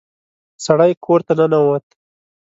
سړی کور ته ننوت.